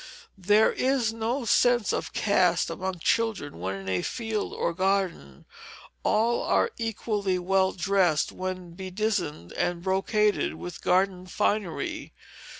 There is no sense of caste among children when in a field or garden all are equally well dressed when "bedizened and brocaded" with garden finery.